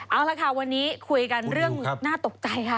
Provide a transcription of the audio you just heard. เอาละค่ะวันนี้คุยกันเรื่องน่าตกใจค่ะ